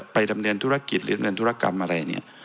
ไปดำเนินธุรกิจหรือดำเนินธุรกรรมอะไรเนี่ย